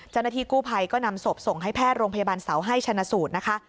เจ้าหน้าที่กู้ภัยก็นำศพส่งให้แพทย์โรงพยาบาลเสาให้ชนะสูตรนะคะ